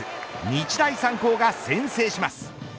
日大三高が先制します。